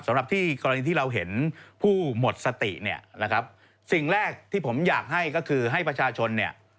สำหรับที่กรณีที่เราเห็นผู้หมดสติเนี่ยนะครับสิ่งแรกที่ผมอยากให้ก็คือให้ประชาชนเนี่ย